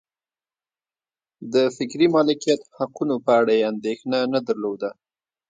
د فکري مالکیت حقونو په اړه یې اندېښنه نه درلوده.